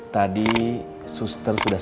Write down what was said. tadi suster sudah